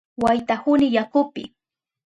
Waytahuni yakupi.